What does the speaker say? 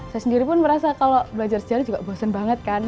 saya sendiri pun merasa kalau belajar sejarah juga bosen banget kan